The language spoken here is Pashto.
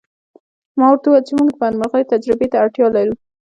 ما ورته وویل چې موږ د بدمرغیو تجربې ته اړتیا لرو